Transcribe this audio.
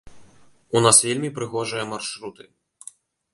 У нас вельмі прыгожыя маршруты.